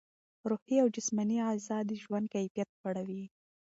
روحي او جسماني غذا د ژوند کیفیت لوړوي.